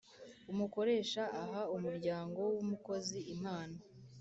Umukoresha aha umuryango w umukozi impano